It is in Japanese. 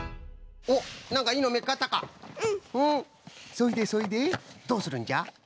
そいでそいでどうするんじゃ？